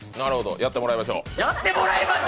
やってもらいましょう？